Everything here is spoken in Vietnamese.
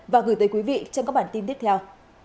và gửi tới quý vị trong các bản tin tiếp theo